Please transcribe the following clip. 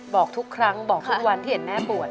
บอกทุกครั้งบอกทุกวันที่เห็นแม่บวช